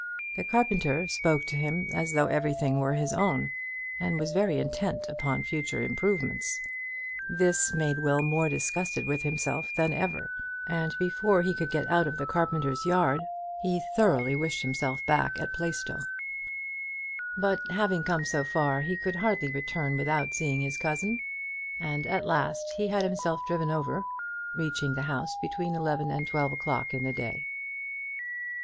The carpenter spoke to him as though everything were his own, and was very intent upon future improvements. This made Will more disgusted with himself than ever, and before he could get out of the carpenter's yard he thoroughly wished himself back at Plaistow. But having come so far, he could hardly return without seeing his cousin, and at last he had himself driven over, reaching the house between eleven and twelve o'clock in the day.